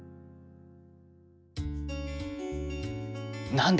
何だ？